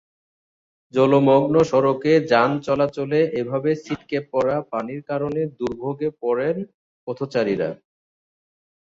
জলমগ্ন সড়কে যান চলাচলে এভাবে ছিটকে পড়া পানির কারণে দুর্ভোগে পড়েন পথচারীরা।